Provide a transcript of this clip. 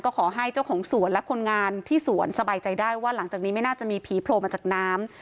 ขอให้เจ้าของสวนและคนงานที่สวนสบายใจได้ว่าหลังจากนี้ไม่น่าจะมีผีโผล่มาจากน้ำ